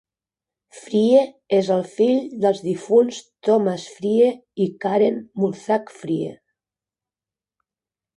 Frye és el fill dels difunts Thomas Frye i Karen Mulzac-Frye.